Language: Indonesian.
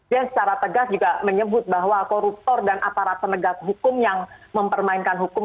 dia secara tegas juga menyebut bahwa koruptor dan aparat penegak hukum yang mempermainkan hukum